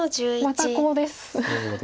またコウです。